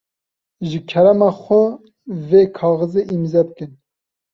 Ji kerema xwe vê kaxizê îmze bikin.